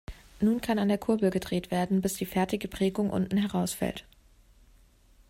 Nun kann an der Kurbel gedreht werden, bis die fertige Prägung unten herausfällt.